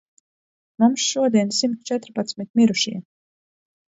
Mums šodien simt četrpadsmit mirušie.